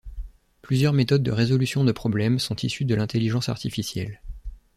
Plusieurs méthodes de résolution de problèmes sont issues de l'intelligence artificielle.